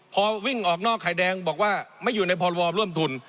พอวิ่งออกนอกไข่แดงบอกว่าไม่อยู่ในพรวร่วมทุน